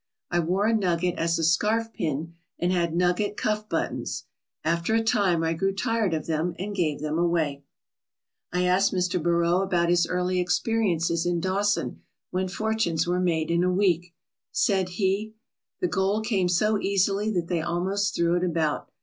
I wore a nugget as a scarf pin and had nugget cuff buttons. After a time I grew tired of them and gave them away. " I asked Mr. Beraud about his early experiences in Dawson, when fortunes were made in a week. Said he: "The gold came so easily that they almost threw it about.